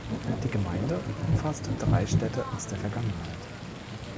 Die Gemeinde umfasst drei Städte aus der Vergangenheit.